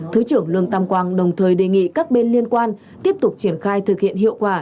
thứ trưởng lương tam quang đồng thời đề nghị các bên liên quan tiếp tục triển khai thực hiện hiệu quả